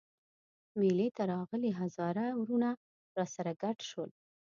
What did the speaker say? مېلې ته راغلي هزاره وروڼه راسره ګډ شول.